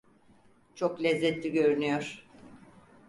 Çok lezzetli görünüyor.